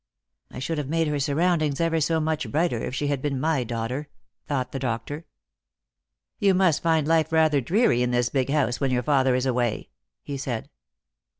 " I should have made her surroundings ever so much brighter if she had been my daughter," thought the doctor. " You must find life rather dreary in this big house, when your father is away ?" he said.